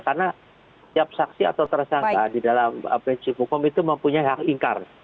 karena tiap saksi atau tersangka di dalam abc hukum itu mempunyai hak ingkar